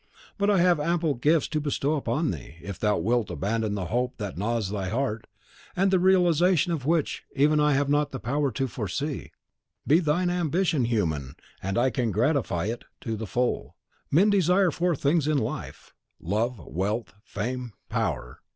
But I have ample gifts to bestow upon thee, if thou wilt abandon the hope that gnaws thy heart, and the realisation of which even I have not the power to foresee. Be thine ambition human, and I can gratify it to the full. Men desire four things in life, love, wealth, fame, power.